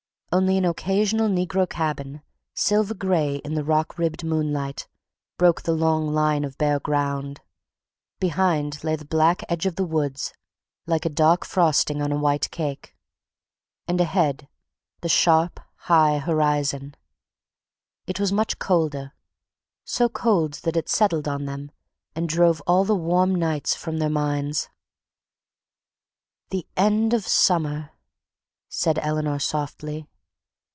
Only an occasional negro cabin, silver gray in the rock ribbed moonlight, broke the long line of bare ground; behind lay the black edge of the woods like a dark frosting on white cake, and ahead the sharp, high horizon. It was much colder—so cold that it settled on them and drove all the warm nights from their minds. "The end of summer," said Eleanor softly.